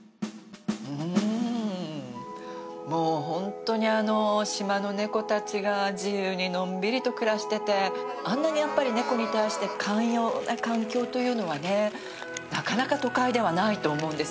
うんもうホントにあの島の猫たちが自由にのんびりと暮らしててあんなにやっぱり猫に対して寛容な環境というのはねなかなか都会ではないと思うんです。